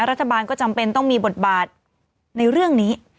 รัฐบาลก็จำเป็นต้องมีบทบาทในเรื่องนี้